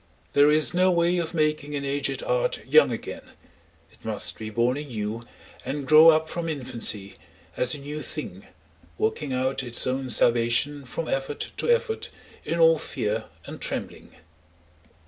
There is no way of making an aged art young again; it must be born anew and grow up from infancy as a new thing, working out its own salvation from effort to effort in all fear and trembling.